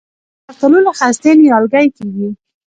د شفتالو له خستې نیالګی کیږي؟